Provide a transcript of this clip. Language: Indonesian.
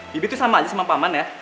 bibi tuh sama aja sama paman ya